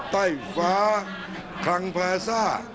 ไต้ฟ้าคลังพราซ่า